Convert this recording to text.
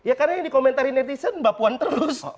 ya karena yang dikomentari netizen mbak puan terus